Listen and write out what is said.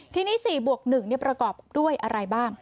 ทีนี้๔บวก๑ประกอบด้วยอะไรบ้าง